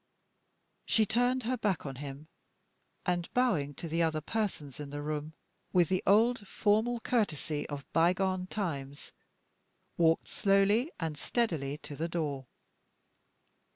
She turned her back on him; and, bowing to the other persons in the room with the old formal courtesy of by gone times, walked slowly and steadily to the door.